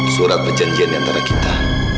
surat perjanjian antara kita